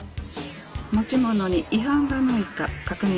持ち物に違反がないか確認します。